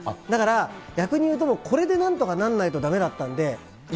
だから、逆に言うと、これでなんとかなんないとだめだったので。